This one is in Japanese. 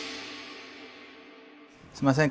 すいません。